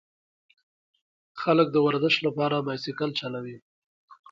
خلک د ورزش لپاره بایسکل چلوي.